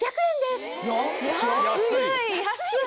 安い！